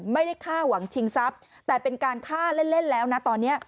ไม่ได้ฆ่าหวังชิงทรัพย์แต่เป็นการฆ่าเล่นแล้วนะตอนนี้